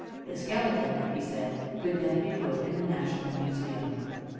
The skeleton, he said, could then be put in the National Museum.